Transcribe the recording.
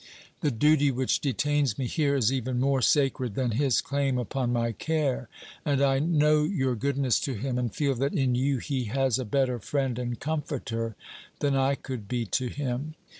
The duty which detains me here is even more sacred than his claim upon my care. And I know your goodness to him, and feel that in you he has a better friend and comforter than I could be to him.